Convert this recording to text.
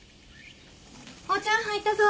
お茶ん入ったぞ。